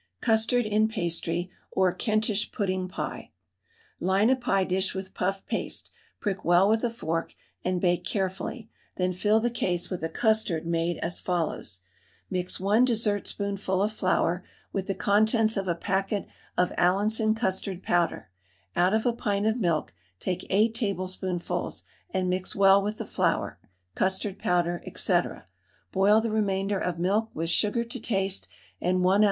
CUSTARD IN PASTRY OR KENTISH PUDDING PIE. Line a pie dish with puff paste, prick well with a fork and bake carefully, then fill the case with a custard made as follows. Mix 1 dessertspoonful of flour with the contents of a packet of Allinson custard powder, out of a pint of milk take 8 tablespoonfuls and mix well with the flour, custard powder, &c., boil the remainder of milk with sugar to taste and 1 oz.